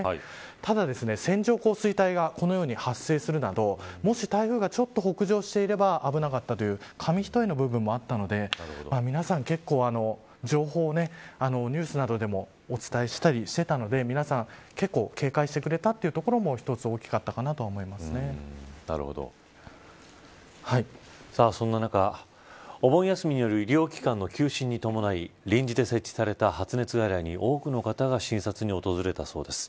ただ、線状降水帯がこのように発生するなどもし、台風がちょっと北上していれば危なかったという紙一重の部分もあったので皆さん、情報をニュースなどでもお伝えしたりしていたので皆さん、結構警戒してくれたというところもそんな中お盆休みによる医療機関の休診に伴い臨時で設置された発熱外来に多くの方が診察に訪れたそうです。